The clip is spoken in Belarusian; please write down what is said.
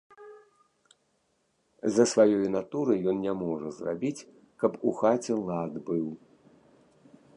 З-за сваёй натуры ён не можа зрабіць, каб у хаце лад быў.